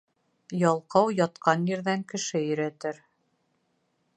Ялҡау ятҡан ерҙән кеше өйрәтер.